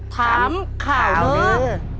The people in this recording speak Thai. ถามข่าวนี้